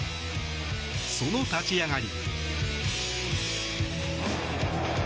その立ち上がり。